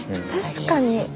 確かに。